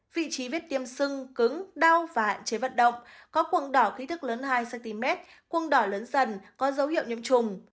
vị trí viết tiêm sưng cứng đau và hạn chế vật động có cuồng đỏ khí thức lớn hai cm cuồng đỏ lớn dần có dấu hiệu nhiễm trùng